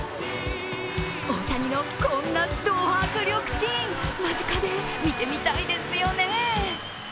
大谷のこんなド迫力シーン、間近で見てみたいですよね。